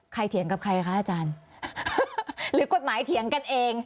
เถียงกับใครคะอาจารย์หรือกฎหมายเถียงกันเอง